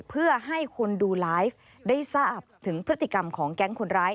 เพื่อให้คนดูไลฟ์ได้ทราบถึงพฤติกรรมของแก๊งคนร้าย